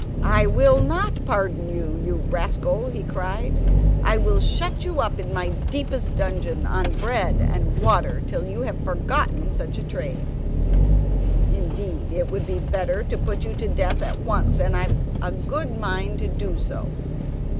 "I will not pardon you, you rascal," he cried; "I will shut you up in my deepest dungeon on bread and water till you have forgotten such a trade. Indeed, it would be better to put you to death at once, and I've a good mind to do so."